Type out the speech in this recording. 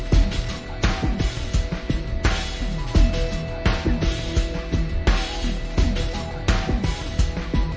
แล้วมันก็ไม่คิดว่าของเราจะรอมเท่านั้น